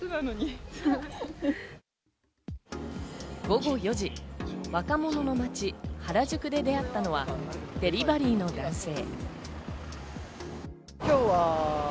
午後４時、若者の街・原宿で出会ったのは、デリバリーの男性。